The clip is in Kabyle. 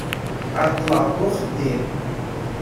Ɛeṭṭleɣ g uxeddim.